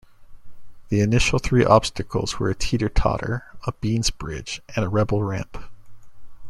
The initial three obstacles were a Teeter-Totter, a Beanz Bridge, and a Rebel Ramp.